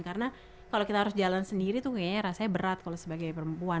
karena kalo kita harus jalan sendiri tuh kayaknya rasanya berat kalo sebagai perempuan